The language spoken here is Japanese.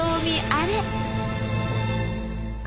あれ。